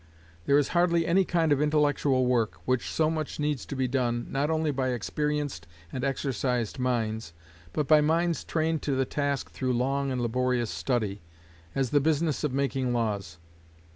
There is hardly any kind of intellectual work which so much needs to be done not only by experienced and exercised minds, but by minds trained to the task through long and laborious study, as the business of making laws.